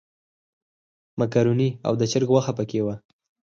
مېکاروني او د چرګ غوښه په کې وه.